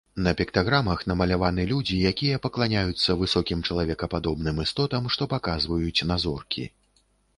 На піктаграмах намаляваны людзі, якія пакланяюцца высокім чалавекападобным істотам, што паказваюць на зоркі.